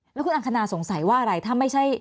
แล้วคุณอังคณาสงสัยว่าอะไรถ้าไม่ใช่